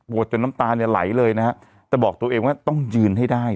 จนน้ำตาเนี่ยไหลเลยนะฮะแต่บอกตัวเองว่าต้องยืนให้ได้